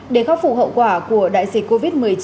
để khắc phục hậu quả của đại dịch covid một mươi chín